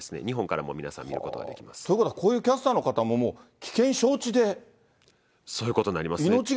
日本からも皆さん見ることができます。ということはこういうキャスターの方も、そういうことになりますね。